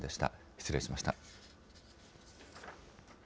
失礼しました。